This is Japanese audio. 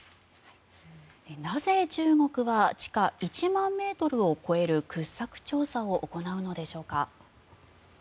なぜ、中国は地下１万ｍを超える掘削調査を行うのでしょうか。